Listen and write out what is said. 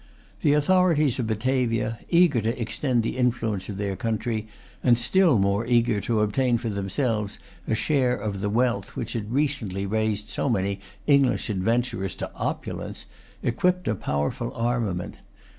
The authorities of Batavia, eager to extend the influence of their country, and still more eager to obtain for themselves a share of the wealth which had recently raised so many English adventurers to opulence, equipped a powerful armament.